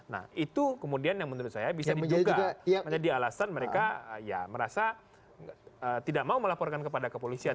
nah itu kemudian yang menurut saya bisa juga menjadi alasan mereka ya merasa tidak mau melaporkan kepada kepolisian